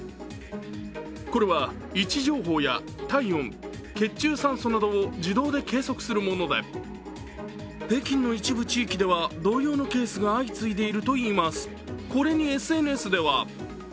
これは位置情報や体温、血中酸素などを自動で計測するもので北京の一部地域では同様のケースが相次いでいるといいます。